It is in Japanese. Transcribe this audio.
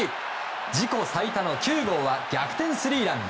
自己最多の９号は逆転スリーラン！